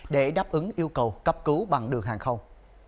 để đáp ứng yêu cầu cấp cứu bằng đường hàng không